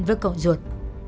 với cậu ruột